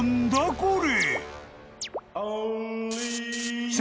これ。